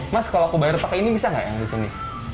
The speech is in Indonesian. mas kalau aku bayar pakai ini bisa nggak yang di sini